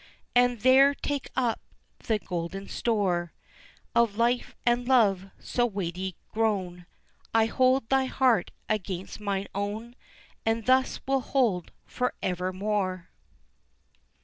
And there take up the golden store Of life and love so weighty grown I hold thy heart against mine own, And thus will hold forever more.